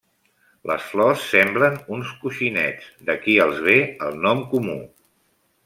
Les flors semblen uns coixinets, d'aquí els ve el nom comú.